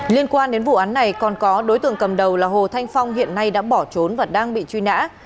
liên quan đến vụ án này còn có đối tượng cầm đầu là hồ thanh phong hiện nay đã bỏ trốn và đang bị truy nã